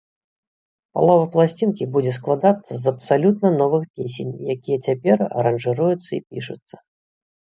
Палова пласцінкі будзе складацца з абсалютна новых песень, якія цяпер аранжыруюцца і пішуцца.